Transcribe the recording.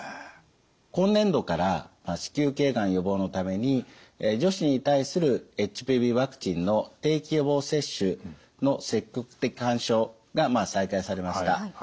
今年度から子宮頸がん予防のために女子に対するＨＰＶワクチンの定期予防接種の積極的勧奨が再開されました。